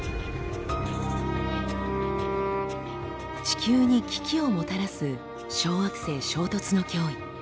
地球に危機をもたらす小惑星衝突の脅威。